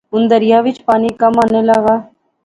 ہن دریا وچ پانی کم ہانے لاغآ